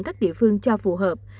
các địa phương cho phù hợp